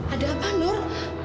ada apa nur